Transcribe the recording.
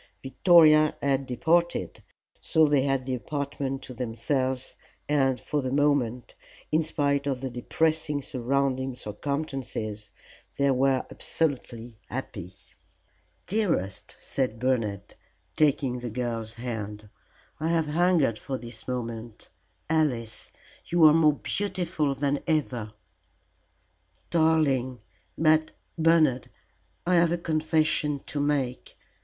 Victoria had departed, so they had the apartment to themselves, and for the moment, in spite of the depressing surrounding circumstances, they were absolutely happy. "Dearest," said Bernard, taking the girl's hand, "I have hungered for this moment. Alice, you are more beautiful than ever." "Darling! But, Bernard, I have a confession to make.